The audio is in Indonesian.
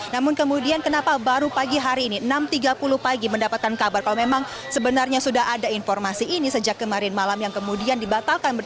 namun kemudian kenapa baru pagi hari ini enam tiga puluh pagi mendapatkan kabar kalau memang sebenarnya sudah ada informasi ini sejak kemarin malam yang kemudian dibatalkan